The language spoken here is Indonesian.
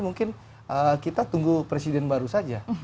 mungkin kita tunggu presiden baru saja